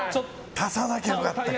足さなきゃよかったか。